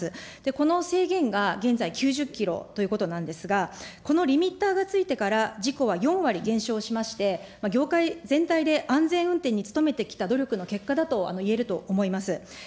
この制限が現在、９０キロということなんですが、このリミッターがついてから、事故は４割減少しまして、業界全体で安全運転に努めてきた努力の結果だといえると思います。